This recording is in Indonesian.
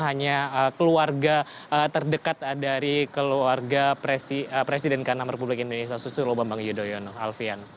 hanya keluarga terdekat dari keluarga presiden ke enam republik indonesia susilo bambang yudhoyono alfian